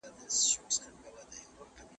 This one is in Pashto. حضوري زده کړه د بدن ژبي بې وضاحت سره نه کيږي.